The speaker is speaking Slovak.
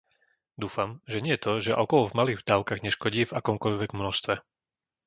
Dúfam, že nie to, že alkohol v malých dávkach neškodí v akomkoľvek množstve.